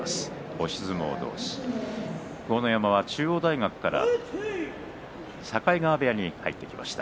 押し相撲同士豪ノ山は中央大学から境川部屋に入ってきました。